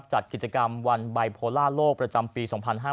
จัดกิจกรรมวันบายโพล่าโลกประจำปี๒๕๕๙